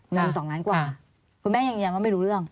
เงิน๒ล้านกว่าคุณแม่ยังยืนยันว่าไม่รู้เรื่อง